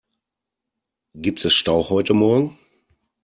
Gibt es Stau heute morgen?